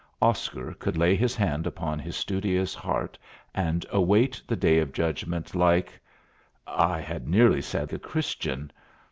Oscar could lay his hand upon his studious heart and await the Day of Judgment like I had nearly said a Christian!